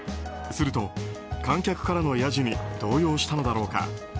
すると観客からのやじに動揺したのだろうか。